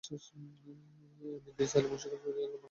M Idris Ali Munshiganj জেলা বাংলাদেশ আওয়ামী লীগের নেতা।